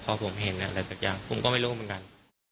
พอผมเห็นอะไรสักอย่างผมก็ไม่รู้เหมือนกัน